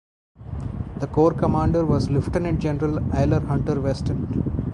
The corps commander was Lieutenant-General Aylmer Hunter-Weston.